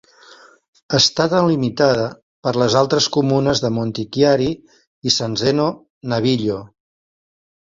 Està delimitada per altres comunes de Montichiari i San Zeno Naviglio.